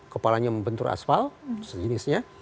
kepalanya membentur asfal sejenisnya